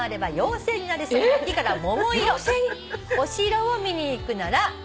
「お城を見に行くなら」？